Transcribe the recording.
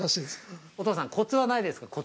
お父さんコツはないですか？